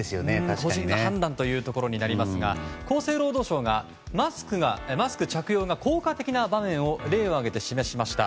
個人の判断となりますが厚生労働省がマスク着用が効果的な場面を例を挙げて示しました。